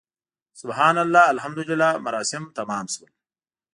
سبحان الله، الحمدلله مراسم تمام شول.